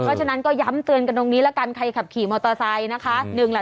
เพราะฉะนั้นก็ย้ำเตือนกันตรงนี้ละกันใครขับขี่มอเตอร์ไซค์นะคะ